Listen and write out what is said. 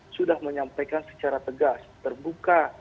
sudah menyampaikan secara tegas terbuka